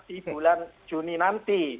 dengar pendapat di bulan juni nanti